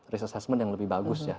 risk assessment yang lebih bagus ya